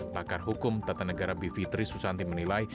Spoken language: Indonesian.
pakar hukum tata negara bivitri susanti menilai